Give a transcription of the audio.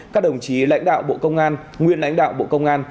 các đồng chí lãnh đạo bộ công an nguyên lãnh đạo bộ công an